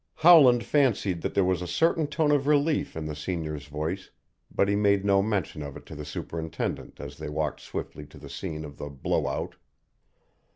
Howland fancied that there was a certain tone of relief in the senior's voice, but he made no mention of it to the superintendent as they walked swiftly to the scene of the "blow out."